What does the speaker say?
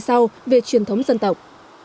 và sau về truyền thống dân tộc